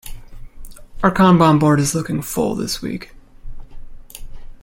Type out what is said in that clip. Our Kanban board is looking full this week.